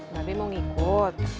mbak be mau ngikut